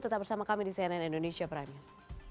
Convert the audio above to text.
tetap bersama kami di cnn indonesia prime news